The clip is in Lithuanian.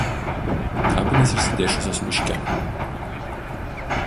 Kapinės išsidėsčiusios miške.